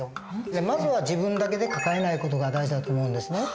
まずは自分だけで抱えない事が大事だと思うんですね。